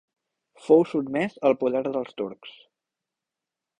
Fou sotmès al poder dels turcs.